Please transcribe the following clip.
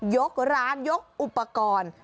ยกร้านยกอุปกรณ์